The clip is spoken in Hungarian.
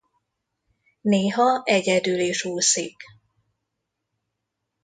Néha egyedül is úszik.